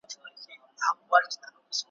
د شهید جنازه پرېږدی د قاتل سیوری رانیسی `